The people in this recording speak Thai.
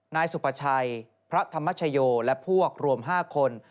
นายสุภาชัยพระธรรมชโยและพวกรวม๕คน